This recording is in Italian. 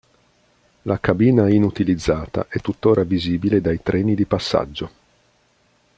La cabina inutilizzata è tuttora visibile dai treni di passaggio.